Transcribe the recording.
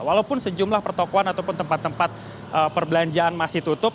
walaupun sejumlah pertokohan ataupun tempat tempat perbelanjaan masih tutup